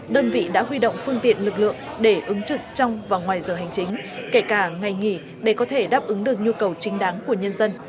đơn vị đã huy động phương tiện lực lượng để ứng trực trong và ngoài giờ hành chính kể cả ngày nghỉ để có thể đáp ứng được nhu cầu chính đáng của nhân dân